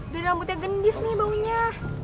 dari rambutnya gendis nih baunya